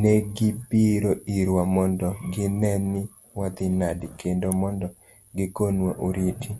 Ne gibiro irwa mondo ginee ni wadhi nade kendo mondo gigonwa oriti.